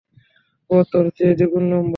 ও তোর চেয়ে দ্বিগুণ লম্বা।